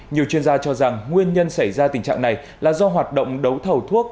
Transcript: nhiều chuyên gia cho rằng nguyên nhân xảy ra tình trạng này là do hoạt động đấu thầu thuốc